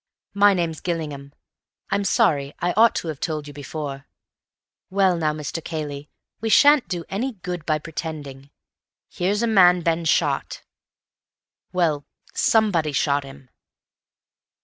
"My name's Gillingham. I'm sorry, I ought to have told you before. Well now, Mr. Cayley, we shan't do any good by pretending. Here's a man been shot—well, somebody shot him."